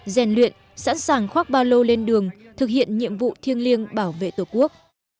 giàn luyện sẵn sàng khoác bao lô lên đường thực hiện nhiệm vụ thiêng liêng bảo vệ tổ quốc